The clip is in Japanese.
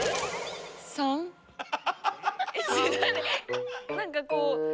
三？何かこう。